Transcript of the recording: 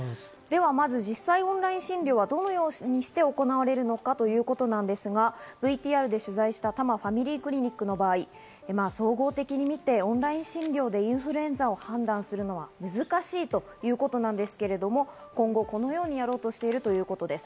まず実際オンライン診断はどのようにして行われるのかということなんですが、ＶＴＲで取材した多摩ファミリークリニックの場合、総合的にみてオンライン診療でインフルエンザを診断するのは難しいということなんですが、今後このようにやろうとしているということです。